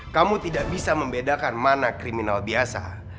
kamu tidak bisa membedakan mana kriminal biasa